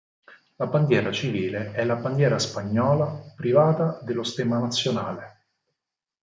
La bandiera civile è la bandiera spagnola privata dello stemma nazionale.